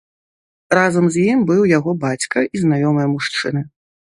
Разам з ім быў яго бацька і знаёмыя мужчыны.